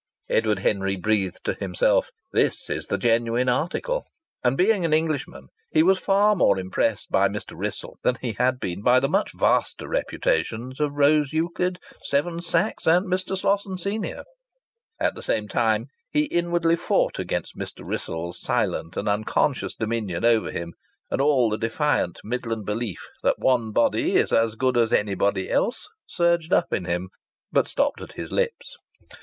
Edward Henry breathed to himself, "This is the genuine article." And, being an Englishman, he was far more impressed by Mr. Wrissell than he had been by the much vaster reputations of Rose Euclid, Seven Sachs and Mr. Slosson, senior. At the same time he inwardly fought against Mr. Wrissell's silent and unconscious dominion over him, and all the defiant Midland belief that one body is as good as anybody else surged up in him but stopped at his lips.